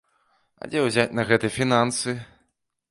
А дзе ўзяць на гэта фінансы?